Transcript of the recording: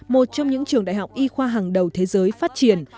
một trong những trường đại học y khoa hàng đầu thế giới phát triển